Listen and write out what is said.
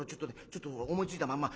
ちょっと思いついたまんま。